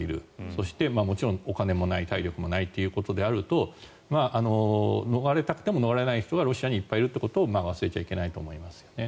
そしてもちろん、お金もない体力もないということであると逃れたくても逃れられない人がロシアにいっぱいいるということを忘れちゃいけないなと思いますよね。